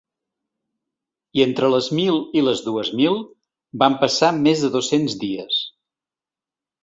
I entre les mil i les dues mil, van passar més de dos-cents dies.